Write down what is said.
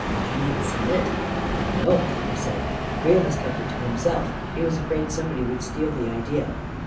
Have you not seen it? " 11 No," I said. " Creel has kept it to himself. He was afraid somebody would steal the idea."